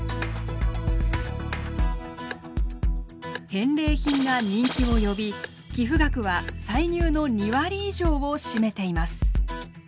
返礼品が人気を呼び寄付額は歳入の２割以上を占めています。